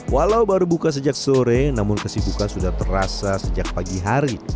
walau baru buka sejak sore namun kesibukan sudah terasa sejak pagi hari